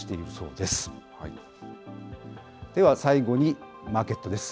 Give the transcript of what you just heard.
では、最後にマーケットです。